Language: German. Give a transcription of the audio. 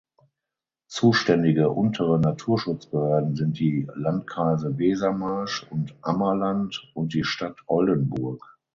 Zuständige untere Naturschutzbehörden sind die Landkreise Wesermarsch und Ammerland und die Stadt Oldenburg.